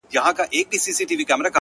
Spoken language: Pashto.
د هوښيار سړي غبر گ غاښونه وزي.